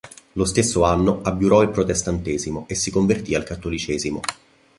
Lo stesso anno abiurò il protestantesimo e si convertì al cattolicesimo.